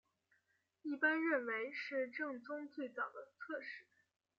一般认为是政宗最早的侧室。